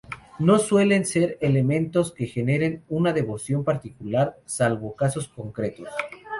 No suelen ser elementos que generen una devoción particular, salvo en casos concretos.